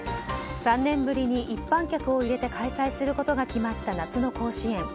３年ぶりに一般客を入れて開催することが決まった夏の甲子園。